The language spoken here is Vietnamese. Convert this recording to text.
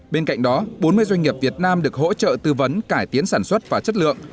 bên cạnh đó bốn mươi doanh nghiệp việt nam được hỗ trợ tư vấn cải tiến sản xuất và chất lượng